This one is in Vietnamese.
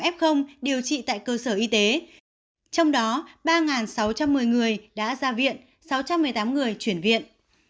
bốn năm trăm sáu mươi tám f điều trị tại cơ sở y tế trong đó ba sáu trăm một mươi người đã ra viện sáu trăm một mươi tám người chuyển viện